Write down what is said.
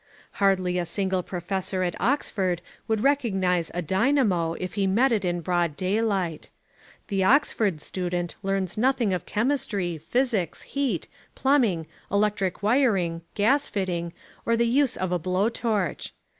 Hardly a single professor at Oxford would recognise a dynamo if he met it in broad daylight. The Oxford student learns nothing of chemistry, physics, heat, plumbing, electric wiring, gas fitting or the use of a blow torch.